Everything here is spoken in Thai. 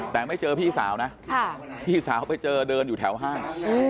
แต่ไม่เจอพี่สาวนะพี่สาวไปเจอเดินอยู่แถวห้าง